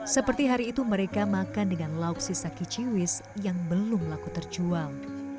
seperti hari itu mereka makan dengan lauk sisaki ciwis yang belum laku terjual